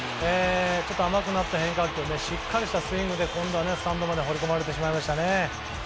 甘くなった変化球をしっかりしたスイングで今度はスタンドまで放り込まれてしまいましたね。